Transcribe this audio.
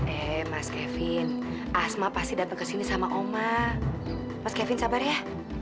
eh mas kevin asma pasti datang ke sini sama oma mas kevin sabar ya